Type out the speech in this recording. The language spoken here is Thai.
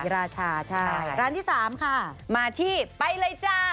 ร้านที่สามมาที่ไปเลยจ่า